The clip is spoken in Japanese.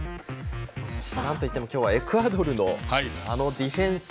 そして、なんといっても今日はエクアドルのあのディフェンス。